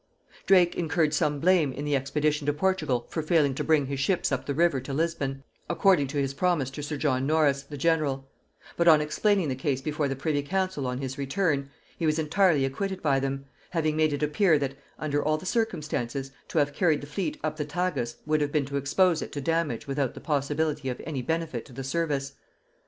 Drake incurred some blame in the expedition to Portugal for failing to bring his ships up the river to Lisbon, according to his promise to sir John Norris, the general; but on explaining the case before the privy council on his return, he was entirely acquitted by them; having made it appear that, under all the circumstances, to have carried the fleet up the Tagus would have been to expose it to damage without the possibility of any benefit to the service.